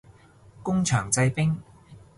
工場製冰